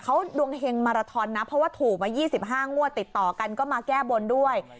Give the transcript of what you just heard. เขาดวงเฮงมาราทอนนะเพราะว่าถูกมา๒๕งวดติดต่อกันก็มาแก้บนด้วย